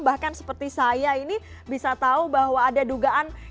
bahkan seperti saya ini bisa tahu bahwa ada dugaan